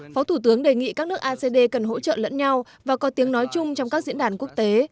phó thủ tướng đề nghị các nước acd cần hỗ trợ lẫn nhau và có tiếng nói chung trong các diễn đàn quốc tế